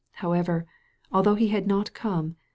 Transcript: However, although he had not come.